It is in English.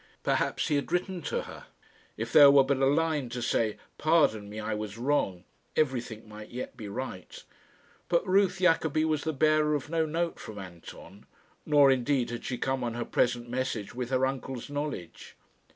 Perhaps he had written to her. If there were but a line to say, "Pardon me; I was wrong," everything might yet be right. But Ruth Jacobi was the bearer of no note from Anton, nor indeed had she come on her present message with her uncle's knowledge.